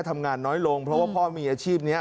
ทำงานน้อยลงเพราะว่าพ่อมีอาชีพนี้